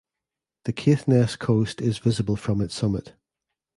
The Caithness coast is visible from its summit.